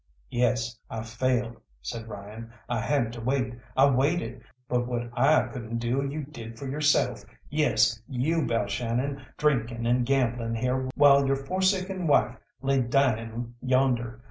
"Yes, I failed," said Ryan. "I had to wait I waited but what I couldn't do you did for yourself; yes, you, Balshannon, drinking and gambling here while your forsaken wife lay dying yonder!